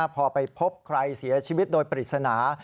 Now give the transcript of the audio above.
พอไปพบใครเสียชีวิตโดยปริศนา